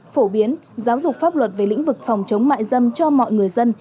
phổ biến giáo dục pháp luật về lĩnh vực phòng chống mại dâm cho mọi người dân